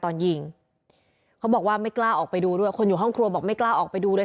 ตอนยิงเขาบอกว่าไม่กล้าออกไปดูด้วยคนอยู่ห้องครัวบอกไม่กล้าออกไปดูเลย